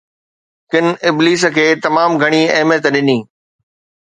ڪن ابليس کي تمام گهڻي اهميت ڏني